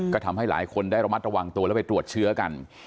ก็ทำให้หลายคนได้ระมัดระวังตัวแล้วไปตรวจเชื้อกัน